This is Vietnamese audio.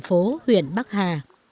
phố huyện bắc hà